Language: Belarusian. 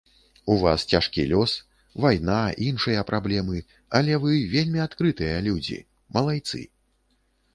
У вас цяжкі лёс, вайна, іншыя праблемы, але вы вельмі адкрытыя людзі, малайцы.